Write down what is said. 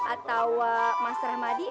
atau mas rahmadi